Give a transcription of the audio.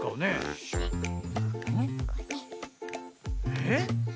えっ？